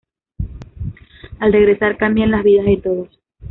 Al regresar, cambia las vidas de todos.